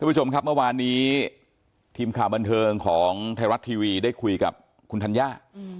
ผู้ชมครับเมื่อวานนี้ทีมข่าวบันเทิงของไทยรัฐทีวีได้คุยกับคุณธัญญา